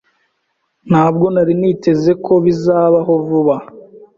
Ntabwo nari niteze ko bizabaho vuba.